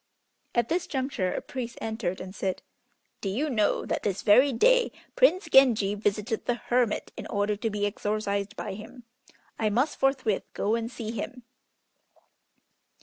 At this juncture a priest entered and said, "Do you know that this very day Prince Genji visited the hermit in order to be exorcised by him. I must forthwith go and see him."